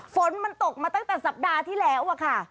ฝนมันตกมาตั้งแต่สัปดาห์ที่แล้วอะค่ะ